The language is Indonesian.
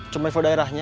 cuma info daerahnya